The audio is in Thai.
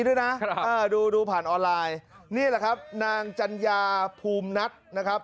ด้วยนะดูดูผ่านออนไลน์นี่แหละครับนางจัญญาภูมินัทนะครับ